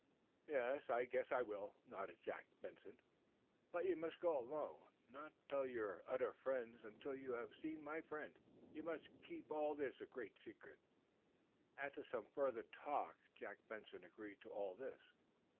"Yes, I guess I will," nodded Jack Benson. "But you must go alone; not tell your odder friends. Until you have seen my friend you must keep all this gr reat secret." After some further talk Jack Benson agreed to all this.